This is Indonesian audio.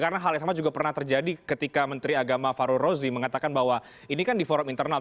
karena hal yang sama juga pernah terjadi ketika menteri agama farul rozi mengatakan bahwa ini kan di forum internal